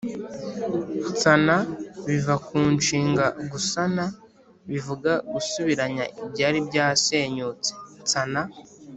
nsana: biva ku nshinga “gusana” bivuga gusubiranya ibyari byasenyutse nsana